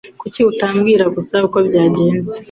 Kuki utabwira gusa uko byagenze?